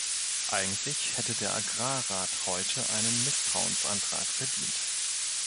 Eigentlich hätte der Agrarrat heute einen Misstrauensantrag verdient.